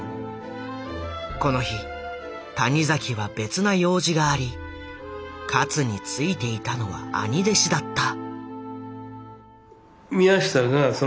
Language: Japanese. この日谷崎は別な用事があり勝についていたのは兄弟子だった。